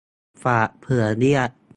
ฝากเผื่อเรียก